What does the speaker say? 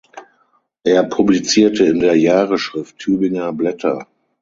Er publizierte in der Jahresschrift „Tübinger Blätter“.